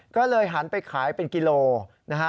ก็เลยหันไปขายเป็นกิโลนะฮะ